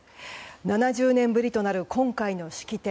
７０年ぶりとなる今回の式典。